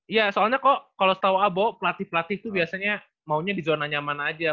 iya soalnya kok kalau setau abo pelatih pelatih itu biasanya maunya di zona nyaman aja